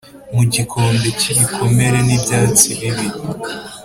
mu gikombe cy'ibikomere n'ibyatsi bibi